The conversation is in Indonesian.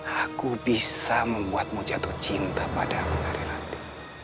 aku bisa membuatmu jatuh cinta pada nari rati